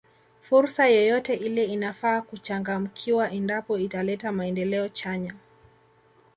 Fursa yoyote ile inafaa kuchangamkiwa endapo italeta maendeleo chanya